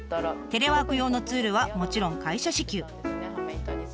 テレワーク用のツールはもちろん会社支給。